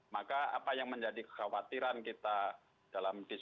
maka apa yang menjadi kekhawatiran kita dalam diskusi